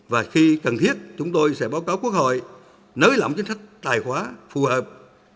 và khi cần thiết chúng tôi sẽ báo cáo quốc hội nới lỏng chính sách tài khóa phù hợp